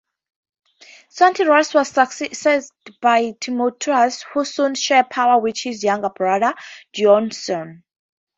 Satyrus was succeeded by Timotheus, who soon shared power with his younger brother Dionysius.